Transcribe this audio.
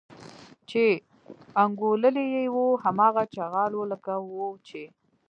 چې انګوللي یې وو هماغه چغال و لکه وو چې.